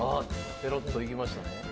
ペロッといきましたね。